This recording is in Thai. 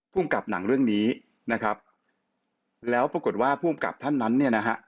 ภูมิกับหนังเรื่องนี้นะครับแล้วปรากฏว่าภูมิกับท่านนั้นเนี่ยนะฮะ